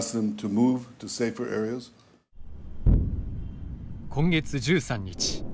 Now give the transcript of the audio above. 今月１３日。